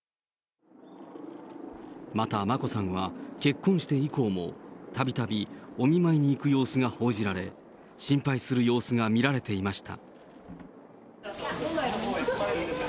また、眞子さんは結婚して以降も、たびたびお見舞いに行く様子が報じられ、心配する様子が見られていました。